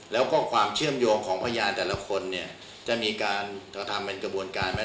แล้วก็ความเชื่อมโยงของพยานแต่ละคนเนี่ยจะมีการกระทำเป็นกระบวนการไหม